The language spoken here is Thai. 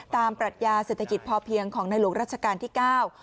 ปรัชญาเศรษฐกิจพอเพียงของในหลวงรัชกาลที่เก้า